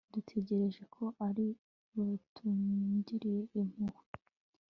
dutegereje ko ari butugirire impuhwe